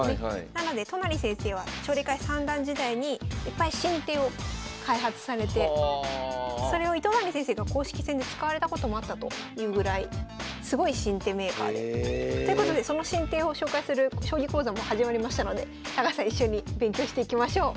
なので都成先生は奨励会三段時代にいっぱい新手を開発されてそれを糸谷先生が公式戦で使われたこともあったというぐらいすごい新手メーカーで。ということでその新手を紹介する将棋講座も始まりましたので高橋さん一緒に勉強していきましょう。